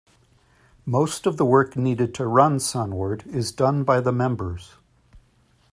Most of the work needed to run Sunward is done by the members.